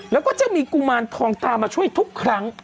แล้วก็จะมีกุมารทองตามาช่วยทุกครั้ง